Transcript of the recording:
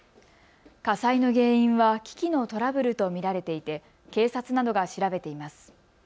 火災の原因は機器のトラブルと見られていて警察などが調べています。